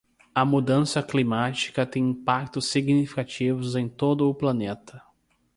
A mudança climática tem impactos significativos em todo o planeta.